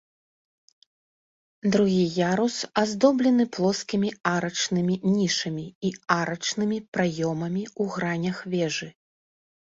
Другі ярус аздоблены плоскімі арачнымі нішамі і арачнымі праёмамі ў гранях вежы.